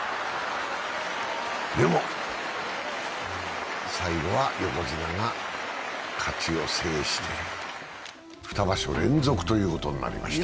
でも最後は横綱が勝ちを制して、２場所連続ということになりました。